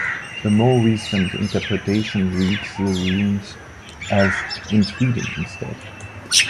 A more recent interpretation reads the runes as "in Sweden" instead.